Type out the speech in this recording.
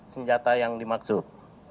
senjata yang dimaksud